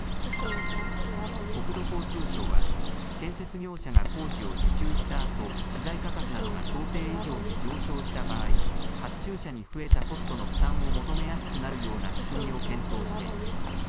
国土交通省は建設業者が工事を受注したあと、資材価格などが想定以上に上昇した場合、発注者に増えたコストの負担を求めやすくなるような仕組みを検討しています。